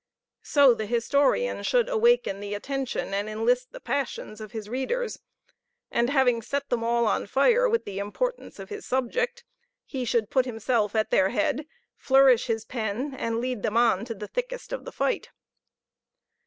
So the historian should awaken the attention and enlist the passions of his readers; and having set them all on fire with the importance of his subject, he should put himself at their head, flourish his pen, and lead them on to the thickest of the fight.